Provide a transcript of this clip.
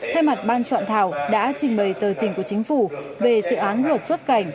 thay mặt ban soạn thảo đã trình bày tờ trình của chính phủ về dự án luật xuất cảnh